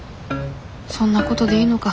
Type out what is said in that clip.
そんなことでいいのか？